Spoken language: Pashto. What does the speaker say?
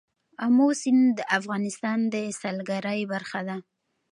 آمو سیند د افغانستان د سیلګرۍ برخه ده.